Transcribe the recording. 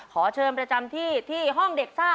ขอเชิญประจำที่ที่ห้องเด็กซ่า